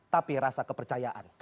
tapi rasa kepercayaan